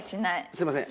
すみません。